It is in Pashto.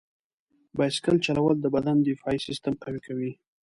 بایسکل چلول د بدن دفاعي سیستم قوي کوي.